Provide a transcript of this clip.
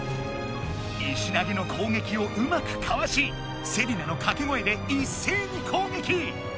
石投げの攻撃をうまくかわしセリナのかけ声で一斉に攻撃！